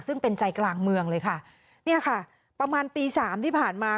ซึ่งเป็นใจกลางเมืองเลยค่ะเนี่ยค่ะประมาณตีสามที่ผ่านมา